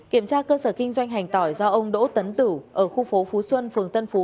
kiểm tra cơ sở kinh doanh hành tỏi do ông đỗ tấn tử ở khu phố phú xuân phường tân phú